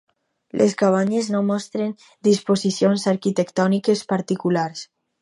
Les cabanyes no mostren disposicions arquitectòniques particulars.